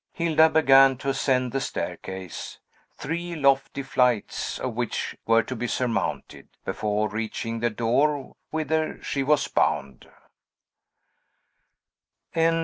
Hilda began to ascend the staircase, three lofty flights of which were to be surmounted, before reaching the door whither she was bound.